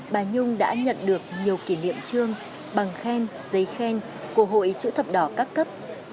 bà nhung đã nhận được nhiều kỷ niệm trương bằng khen giấy khen của hội chữ thập đỏ các cấp